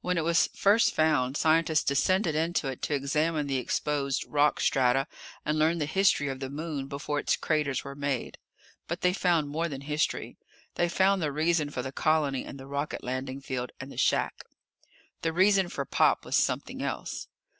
When it was first found, scientists descended into it to examine the exposed rock strata and learn the history of the Moon before its craters were made. But they found more than history. They found the reason for the colony and the rocket landing field and the shack. The reason for Pop was something else.